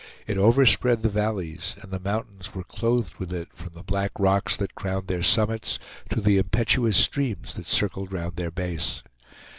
It overspread the valleys, and the mountains were clothed with it from the black rocks that crowned their summits to the impetuous streams that circled round their base.